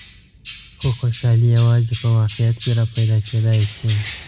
خو خوشحالي یوازې په واقعیت کې را پیدا کېدای شي.